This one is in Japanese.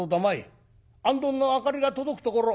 あんどんの明かりが届くところ